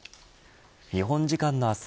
日本時間の明日